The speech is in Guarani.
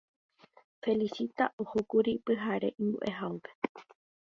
Felicita ohókuri pyhareve imbo'ehaópe